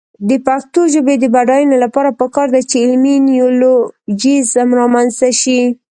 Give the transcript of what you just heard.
د پښتو ژبې د بډاینې لپاره پکار ده چې علمي نیولوجېزم رامنځته شي.